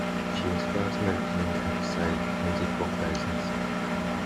She is first mentioned in the episode "Andy Forecloses".